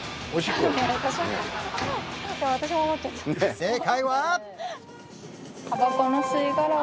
正解は？